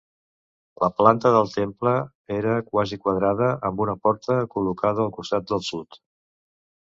La planta del temple era quasi quadrada amb una porta col·locada al costat del sud.